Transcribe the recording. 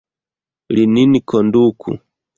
Li nin konduku!